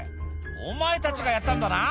「お前たちがやったんだな」